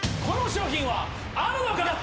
この商品はあるのか？